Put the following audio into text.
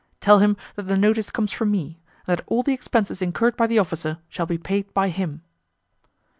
Tell him that the notice comes from me, and that all the expenses incurred by the officer shall be paid by him."